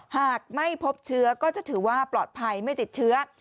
หากไม่พบเชื้อก็จะถือว่าปลอดภัยไม่ติดเชื้อ